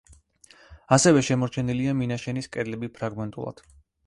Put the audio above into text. ასევე შემორჩენილია მინაშენის კედლები ფრაგმენტულად.